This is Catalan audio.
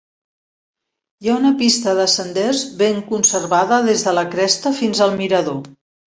Hi ha una pista de senders ben conservada des de la cresta fins al mirador.